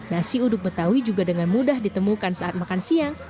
nasi uduk betawi juga dengan mudah ditemukan saat makan siang